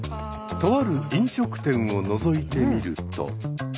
とある飲食店をのぞいてみると。